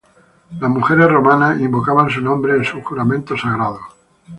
Las mujeres romanas invocaban su nombre en sus juramentos sagrados.